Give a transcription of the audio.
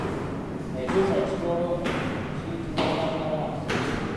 Ekyuma ekitoola omuliro kiyitibwa Kkangalaasi.